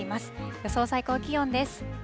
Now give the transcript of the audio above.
予想最高気温です。